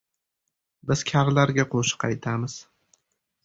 Biz karlarga qo‘shiq aytamiz.